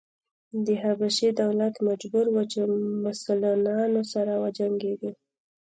د حبشې دولت مجبور و چې مسلنانو سره وجنګېږي.